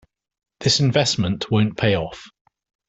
This investment won't pay off.